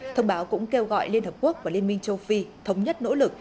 thông báo cũng kêu gọi liên hợp quốc và liên minh châu phi thống nhất nỗ lực